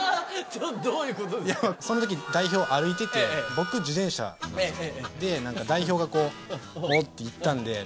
その時代表歩いてて僕自転車。代表が「おう」って言ったんで。